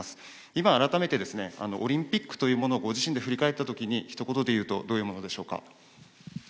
今改めて、オリンピックというものをご自身で振り返ったときにひと言で言うとどういうものでしょうか。